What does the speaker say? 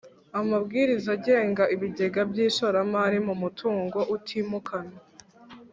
Amabwiriza agenga ibigega by ishoramari mu mutungo utimukanwa